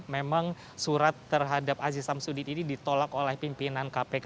memang surat terhadap aziz samsudin ini ditolak oleh pimpinan kpk